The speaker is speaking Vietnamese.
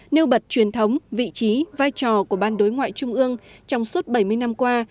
nêu bật truyền thống vị trí vai trò của ban đối ngoại trung ương trong suốt bảy mươi năm qua